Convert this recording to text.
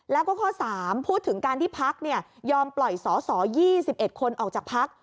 แล้วก็ข้อ๓พูดถึงการที่พักยอมปล่อยสอสอ๒๑คนออกจากพัก